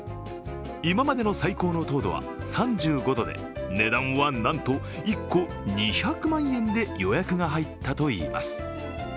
今までの最高の糖度は３５度で値段は、なんと１個２００万円で予約が入ったといいます。